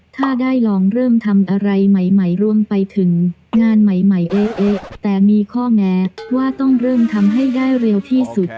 ถ้าได้ลองเริ่มทำอะไรใหม่รวมไปถึงงานใหม่เอ๊ะแต่มีข้อแงว่าต้องเริ่มทำให้ได้เร็วที่สุด